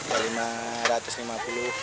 harganya lima ratus dua ratus lima puluh